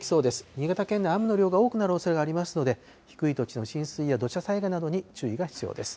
新潟県内、雨の量が多くなるおそれがありますので、低い土地の浸水や土砂災害などに注意が必要です。